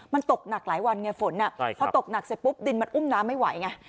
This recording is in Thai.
มันตกหนักหลายวันไงฝนพอตกหนักเสร็จปุ๊บดินมันอุ้มน้ำไม่ไหวไง